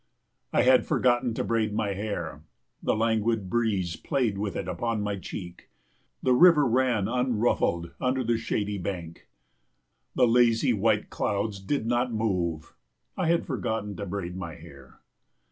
I had forgotten to braid my hair. The languid breeze played with it upon my cheek. The river ran unruffled under the shady bank. The lazy white clouds did not move. I had forgotten to braid my hair.